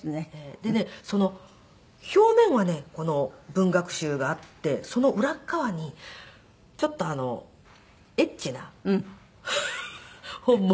でね表面はね文学集があってその裏側にちょっとエッチな本も。